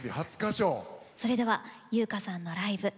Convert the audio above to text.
それでは由薫さんのライブ。